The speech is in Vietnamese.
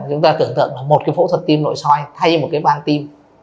chúng ta tưởng tượng là một cái phẫu thuật tim nội soi thay một cái vang tim